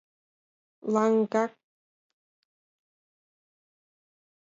Лыҥак.